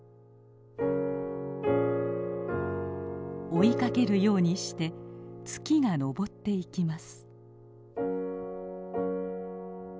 追いかけるようにして月が昇っていきます。